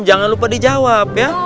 jangan lupa dijawab ya